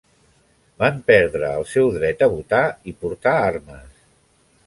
Van perdre el seu dret a votar i portar armes.